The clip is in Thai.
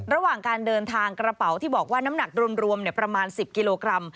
ระหว่างการเดินทางกระเป๋าที่บอกว่าน้ำหนักรวมประมาณ๑๐กิโลกรัม